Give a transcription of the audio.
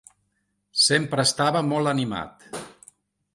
Sempre estava molt animat.